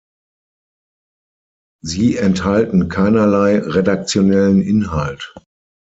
Sie enthalten keinerlei redaktionellen Inhalt.